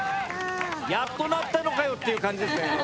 やっと鳴ったのかよっていう感じですね。